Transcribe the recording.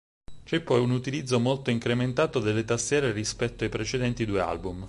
C'è poi un utilizzo molto incrementato delle tastiere rispetto ai precedenti due album.